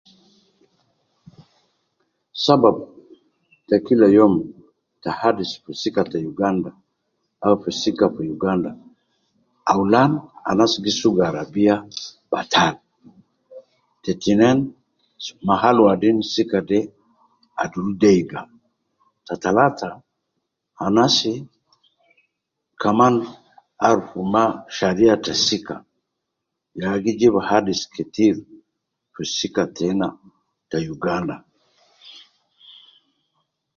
Sabab te kila youm ta hadis fi sika te uganda, au fi sika fi uganda, taulan anas gi sugu arabia batal ,te tinin mahal wadin sika de adul deiga, ta talata anasi kaman aruf ma sharia ta sika, ya gi jib hadis ketir fi sika tena ta uganda